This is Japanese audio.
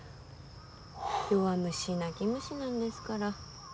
弱虫泣き虫なんですから。